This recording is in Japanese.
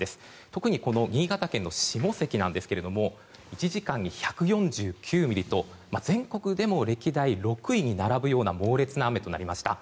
特に新潟県の下関ですが１時間に１４９ミリと全国でも歴代６位に並ぶような猛烈な雨となりました。